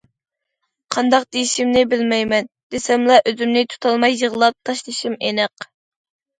قانداق دېيىشىمنى بىلمەيمەن، دېسەملا ئۆزۈمنى تۇتالماي يىغلاپ تاشلىشىم ئېنىق.